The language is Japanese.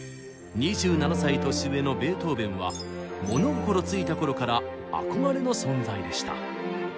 ２７歳年上のベートーベンは物心ついた頃から憧れの存在でした。